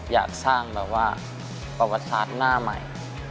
อยากสร้างแบบว่าประวัติศาสตร์หน้าใหม่